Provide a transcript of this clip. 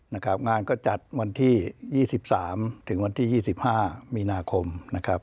นะครับงานก็จัดวันที่๒๓ถึงวันที่๒๕มีนาคมนะครับ